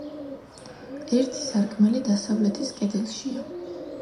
ერთი სარკმელი დასავლეთის კედელშია.